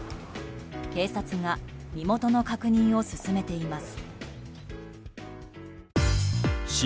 警察が身元の確認を進めています。